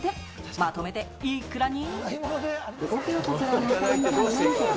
まとめていくらに？